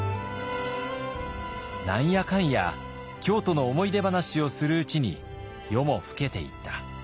「何やかんや京都の思い出話をするうちに夜も更けていった。